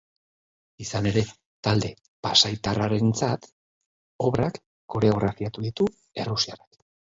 Izan ere, talde pasaitarrarentzat obrak koreografiatu ditu errusiarrak.